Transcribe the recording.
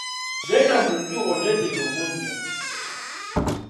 Genda mu nju ondeetere omunnyo.